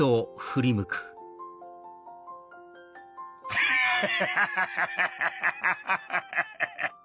ハハハハハ！